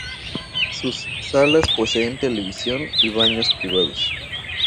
Sus salas poseen televisión y baños privados.